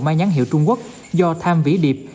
mang nhãn hiệu trung quốc do tham vĩ điệp